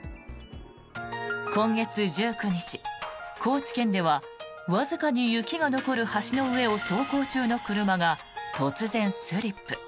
今月１９日、高知県ではわずかに雪が残る橋の上を走行中の車が突然スリップ。